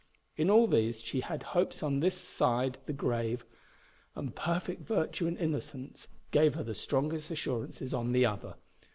In all these she had hopes on this side the grave, and perfect virtue and innocence gave her the strongest assurances on the other.